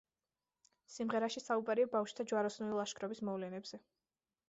სიმღერაში საუბარია ბავშვთა ჯვაროსნული ლაშქრობის მოვლენებზე.